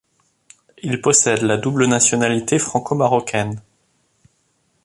Il possède la double nationalité franco-marocaine.